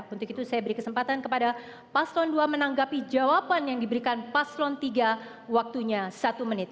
untuk itu saya beri kesempatan kepada paslon dua menanggapi jawaban yang diberikan paslon tiga waktunya satu menit